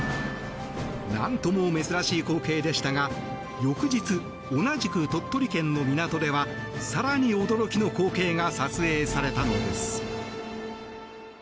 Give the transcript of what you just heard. なんとも珍しい光景でしたが翌日、同じく鳥取県の港では更に驚きの光景が撮影されたんです。